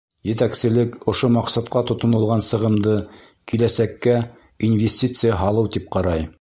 Етәкселек ошо маҡсатҡа тотонолған сығымды киләсәккә инвестиция һалыу тип ҡарай.